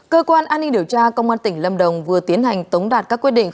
cơ quan an ninh điều tra công an tỉnh lâm đồng vừa tiến hành tống đạt các quyết định